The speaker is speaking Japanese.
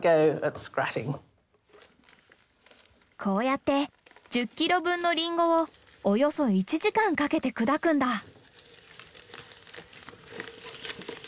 こうやって１０キロ分のリンゴをおよそ１時間かけて砕くんだ。